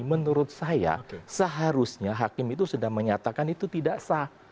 menurut saya seharusnya hakim itu sudah menyatakan itu tidak sah